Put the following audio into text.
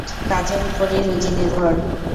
কাজের উপরই রুজি নির্ভর।